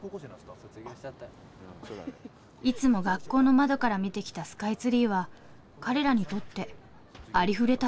いつも学校の窓から見てきたスカイツリーは彼らにとってありふれた存在らしい。